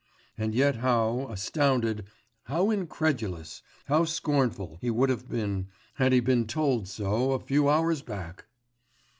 And yet how astounded, how incredulous, how scornful, he would have been, had he been told so a few hours back!